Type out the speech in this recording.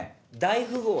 大富豪